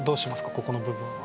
ここの部分は。